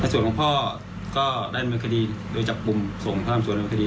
ส่วนของพ่อก็ได้ในเมืองคดีโดยจับปุ่มส่งเพิ่มส่วนเมืองคดี